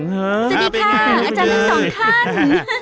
สวัสดีค่ะอาจารย์ทั้งสองท่าน